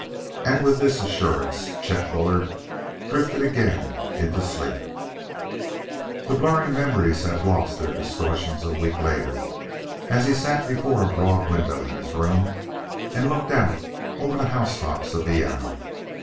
And with this assurance Chet Bullard drifted again into sleep.... The blurring memories had lost their distortions a week later, as he sat before a broad window in his room and looked out over the housetops of Vienna.